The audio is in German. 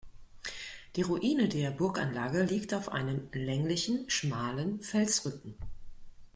Die Ruine der Burganlage liegt auf einem länglichen, schmalen Felsrücken.